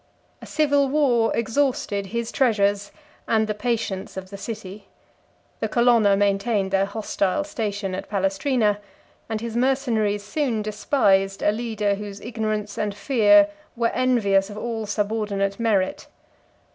54 A civil war exhausted his treasures, and the patience of the city: the Colonna maintained their hostile station at Palestrina; and his mercenaries soon despised a leader whose ignorance and fear were envious of all subordinate merit.